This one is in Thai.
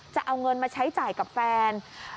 จะเอาเงินมาใช้จ่ายกับแฟน